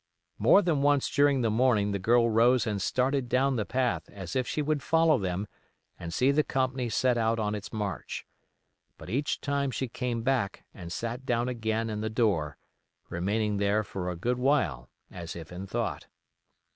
More than once during the morning the girl rose and started down the path as if she would follow them and see the company set out on its march, but each time she came back and sat down again in the door, remaining there for a good while as if in thought.